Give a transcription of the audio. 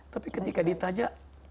tapi ketika ditanya